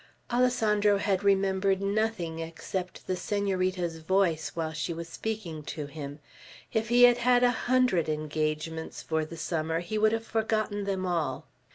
Alessandro had remembered nothing except the Senorita's voice, while she was speaking to him. If he had had a hundred engagements for the summer, he would have forgotten them all.